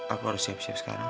aku harus siap siap sekarang